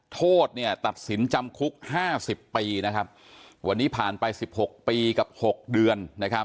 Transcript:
โทษตัดสินจำคุก๕๐ปีวันนี้ผ่านไป๑๖ปีกับ๖เดือน